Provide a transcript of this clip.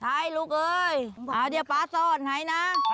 ให้ลูกเอ้ยเดี๋ยวป๊าซ่อนให้นะ